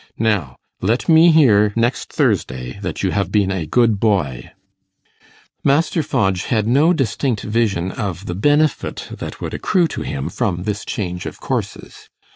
Now, let me hear next Thursday that you have been a good boy.' Master Fodge had no distinct vision of the benefit that would accrue to him from this change of courses.